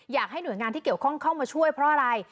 อยากให้หน่วยงานที่เกี่ยวข้องเข้ามาช่วยเพราะอะไร